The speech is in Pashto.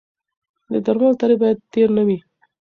د درملو تاریخ باید تېر نه وي.